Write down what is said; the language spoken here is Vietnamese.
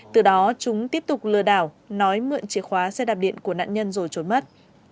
từ đó chúng tiếp tục lừa đảo nói mượn chìa khóa xe đạp điện của nạn nhân rồi trốn mất